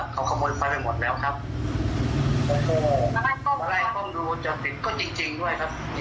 ได้คืนมาตัวเดียวครับพี่สองตัวยังไม่ได้คืนเลยครับ